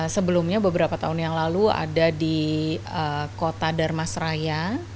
sebelumnya beberapa tahun yang lalu ada di kota dharmasraya